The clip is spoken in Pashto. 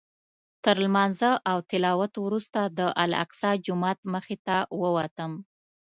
تر لمانځه او تلاوت وروسته د الاقصی جومات مخې ته ووتم.